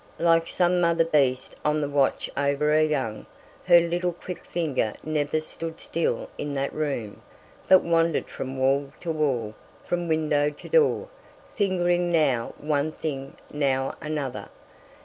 Like some mother beast on the watch over her young, her little quick figure never stood still in that room, but wandered from wall to wall, from window to door, fingering now one thing, now another.